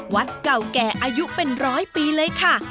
วัดเก่าแก่อายุเป็นร้อยปีเลยค่ะ